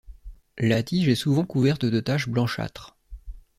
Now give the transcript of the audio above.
La tige est souvent couvert de taches blanchâtres.